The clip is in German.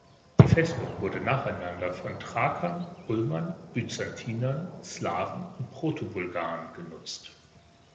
Die Festung wurde nacheinander von Thrakern, Römern, Byzantinern, Slawen und Protobulgaren genutzt.